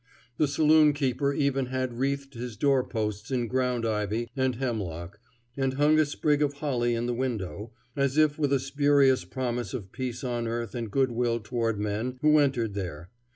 The saloon keeper even had wreathed his door posts in ground ivy and hemlock, and hung a sprig of holly in the window, as if with a spurious promise of peace on earth and good will toward men who entered there.